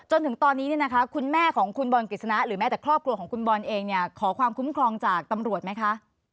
จนถึงตอนนี้เนี่ยนะคะคุณแม่ของคุณบอลกฤษณะหรือแม้แต่ครอบครัวของคุณบอลเองเนี่ยขอความคุ้มครองจากตำรวจไหมคะ